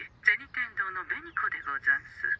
天堂の紅子でござんす。